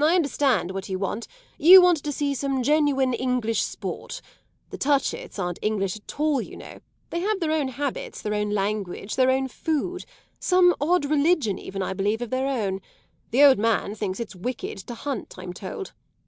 "I understand what you want; you want to see some genuine English sport. The Touchetts aren't English at all, you know; they have their own habits, their own language, their own food some odd religion even, I believe, of their own. The old man thinks it's wicked to hunt, I'm told.